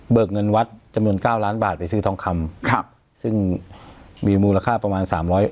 เงินวัดจำนวนเก้าล้านบาทไปซื้อทองคำครับซึ่งมีมูลค่าประมาณสามร้อย